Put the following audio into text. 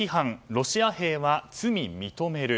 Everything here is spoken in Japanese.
ロシア兵は罪認める。